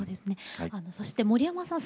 そして森山さん